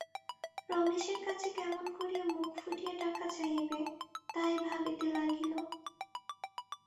রমেশের কাছে কেমন করিয়া মুখ ফুটিয়া টাকা চাহিবে, তাই ভাবিতে লাগিল।